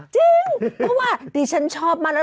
จริงเพราะว่าดิฉันชอบมัน